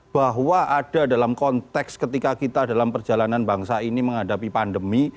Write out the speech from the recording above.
bahwa ada dalam konteks ketika kita dalam perjalanan bangsa ini menghadapi pandemi